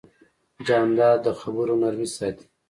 جانداد د خبرو نرمي ساتي.